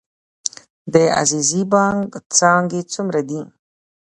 د عزیزي بانک څانګې څومره دي؟